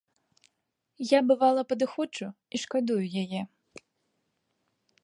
Я, бывала, падыходжу і шкадую яе.